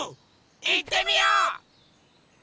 いってみよう！